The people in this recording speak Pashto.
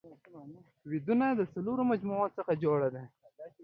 ويدونه د څلورو مجموعو څخه جوړه ده